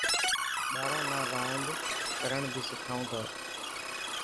ٻاران نا راند ڪرڻ بهي سکائون ٿا.